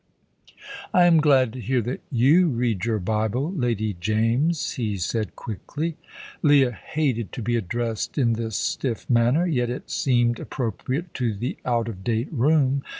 "I am glad to hear that you read your Bible, Lady James," he said quickly. Leah hated to be addressed in this stiff manner; yet it seemed appropriate to the out of date room.